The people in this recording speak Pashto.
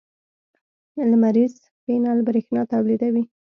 لمریز پینل برېښنا تولیدوي.